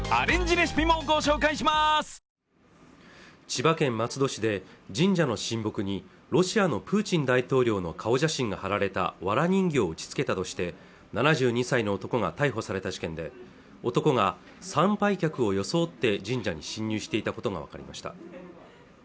千葉県松戸市で神社の神木にロシアのプーチン大統領の顔写真が貼られた藁人形を打ち付けたとして７２歳の男が逮捕された事件で男が参拝客を装って神社に侵入していたことが分かりました